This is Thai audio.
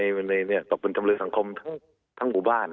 โจรปวดในประวัติภัณฑ์จำนวยสังคมทั้งหมู่บ้าน